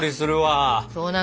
そうなのよ！